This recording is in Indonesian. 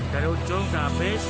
dari ujung habis